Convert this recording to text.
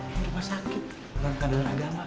ini rumah sakit bukan pengadilan agama